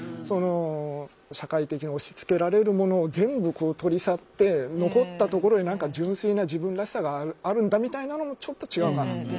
社会的に押しつけられるものを全部取り去って残ったところに純粋な自分らしさがあるんだみたいなのもちょっと違うかなって。